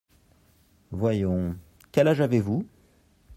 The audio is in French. Voyons, quel âge avez-vous ?…